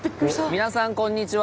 皆さんこんにちは。